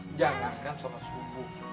oh jangan kan sholat subuh